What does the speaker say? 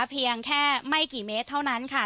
เพียงแค่ไม่กี่เมตรเท่านั้นค่ะ